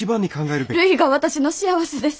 るいが私の幸せです。